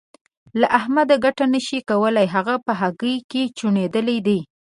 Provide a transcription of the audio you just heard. له احمده ګټه نه شې کولای؛ هغه په هګۍ کې چوڼېدلی دی.